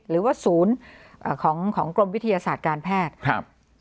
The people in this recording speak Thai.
หรือว่าศูนย์ของกรมวิทยาศาสตร์การแพทย์